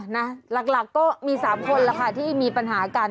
หลักก็มี๓คนล่ะค่ะที่มีปัญหากัน